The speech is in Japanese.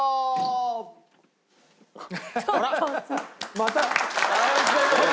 また。